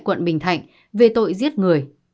quận bình thạnh về tội giết người